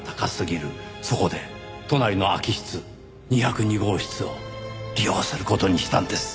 そこで隣の空き室２０２号室を利用する事にしたんです。